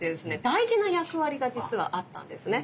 大事な役割が実はあったんですね。